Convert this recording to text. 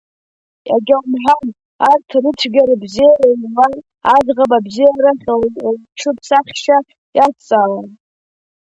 Иагьа умҳәан, арҭ рыцәгьа-рыбзиа еилан, аӡӷаб абзиарахь лҽыԥсахшьа иазҵаауан.